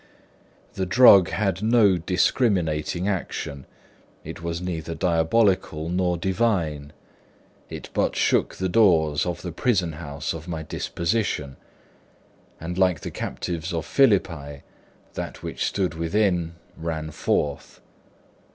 The drug had no discriminating action; it was neither diabolical nor divine; it but shook the doors of the prisonhouse of my disposition; and like the captives of Philippi, that which stood within ran forth.